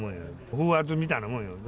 風圧みたいなもんよ。